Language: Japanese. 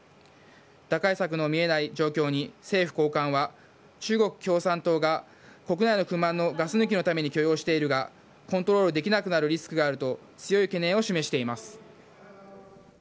打開策の見えない状況に、政府高官は、中国共産党が国内の不満のガス抜きのために許容しているが、コントロールできなくなるリスクがあると強い懸念を示しています。